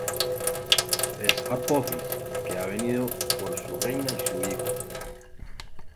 Es Apophis, que ha venido por su reina y su hijo.